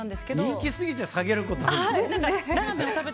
人気すぎて下げることあるの？